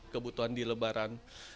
kebutuhan di lebaran